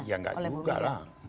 ya nggak juga lah